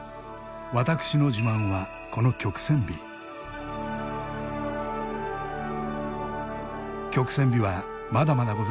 私の自慢はこの曲線美はまだまだございますよ。